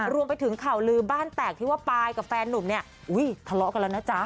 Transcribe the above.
รวมไปถึงข่าวลือบ้านแตกที่ว่าปายกับแฟนนุ่มเนี่ยอุ้ยทะเลาะกันแล้วนะจ๊ะ